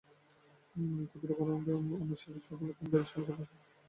ক্ষুদ্র ঘরকন্নার মধ্যে উমেশের এই সকালবেলাকার ঝুড়িটা পরম কৌতূহলের বিষয়।